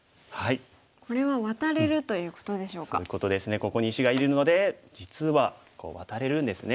ここに石がいるので実はこうワタれるんですね。